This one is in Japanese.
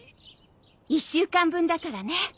１週間分だからね。